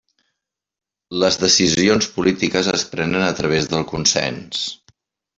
Les decisions polítiques es prenen a través del consens.